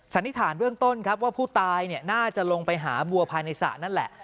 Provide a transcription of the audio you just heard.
สันนิษฐานเบื้องต้นครับว่าผู้ตายน่าจะลงไปหาวัวภายในสระนั่นแหละ